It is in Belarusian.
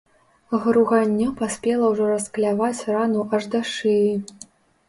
Груганнё паспела ўжо раскляваць рану аж да шыі.